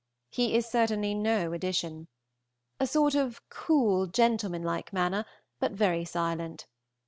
He is certainly no addition. A sort of cool, gentlemanlike manner, but very silent.